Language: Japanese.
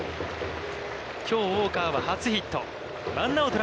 きょうウォーカーは初ヒット。